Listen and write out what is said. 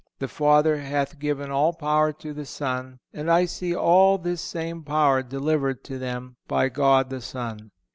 The Father hath given all power to the Son; and I see all this same power delivered to them by God the Son.